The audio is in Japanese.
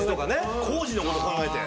工事のこと考えて。